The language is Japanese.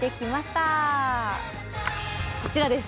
こちらです。